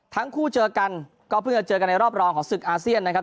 ทั้งคู่เจอกันก็เพิ่งจะเจอกันในรอบรองของศึกอาเซียนนะครับ